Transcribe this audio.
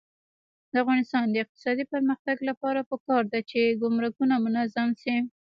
د افغانستان د اقتصادي پرمختګ لپاره پکار ده چې ګمرکونه منظم شي.